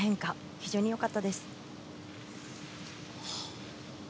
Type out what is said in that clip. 非常に良かったです。